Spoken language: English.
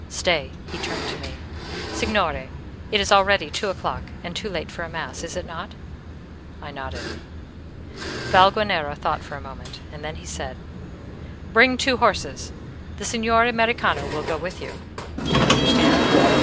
"Stay!" He turned to me: "Signore, it is already two o'clock and too late for mass, is it not?" I nodded. Valguanera thought a moment, then he said, "Bring two horses; the Signor Americano will go with you, do you understand?"